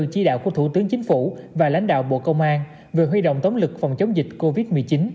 chỉ đạo của thủ tướng chính phủ và lãnh đạo bộ công an về huy động tống lực phòng chống dịch covid một mươi chín